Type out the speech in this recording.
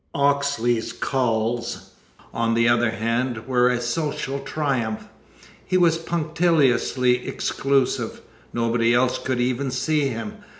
Oxley's calls, on the other hand, were a social triumph. He was punctiliously exclusive. Nobody else could even see him.